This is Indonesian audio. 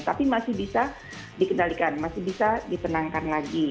tapi masih bisa dikendalikan masih bisa ditenangkan lagi